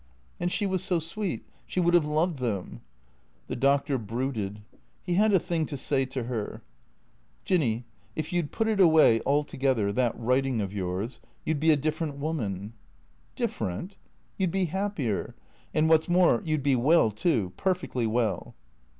" And she was so sweet, she would have loved them " The Doctor brooded. He had a thing to say to her. " Jinny, if you 'd put it away — altogether — that writing of yours — you 'd be a different woman." "Different?" " You 'd be happier. And, what 's more, you 'd be well, too. Perfectly well."